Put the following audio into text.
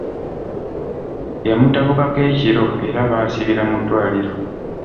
Yamutabukako mu kiro era baasibira mu ddwaliro.